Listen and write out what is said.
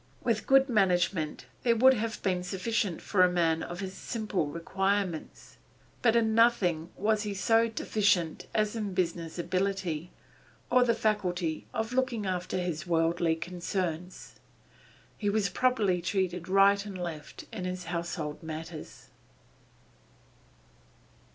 With good management there would have been sufficient for a man of his simple requirements, but in nothing was he so deficient as in business ability, or the faculty of looking after his worldly concerns. He was probably cheated right and left in his household matters.